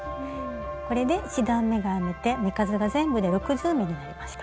これで１段めが編めて目数が全部で６０目になりました。